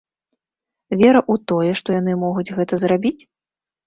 Вера ў тое, што яны могуць гэта зрабіць?